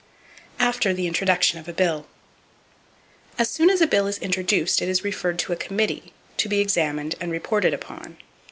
After The Introduction Of A Bill. —As soon as a bill is introduced it is referred to a committee, to be examined and reported upon.